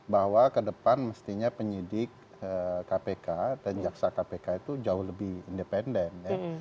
bahwa ke depan mestinya penyidik kpk dan jaksa kpk itu jauh lebih independen